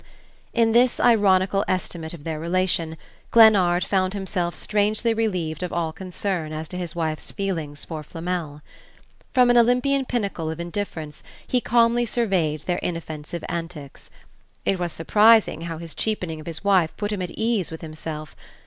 In this ironical estimate of their relation Glennard found himself strangely relieved of all concern as to his wife's feelings for Flamel. From an Olympian pinnacle of indifference he calmly surveyed their inoffensive antics. It was surprising how his cheapening of his wife put him at ease with himself.